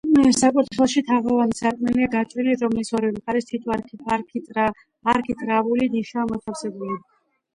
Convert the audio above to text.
საკურთხეველში თაღოვანი სარკმელია გაჭრილი, რომლის ორივე მხარეს თითო არქიტრავული ნიშაა მოთავსებული.